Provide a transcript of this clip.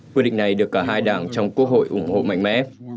quyết định này được cả hai đảng trong quốc hội ủng hộ mạnh mẽ